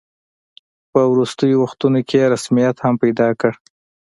په وروستیو وختونو کې یې رسمیت هم پیدا کړ.